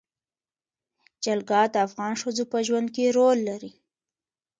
جلګه د افغان ښځو په ژوند کې رول لري.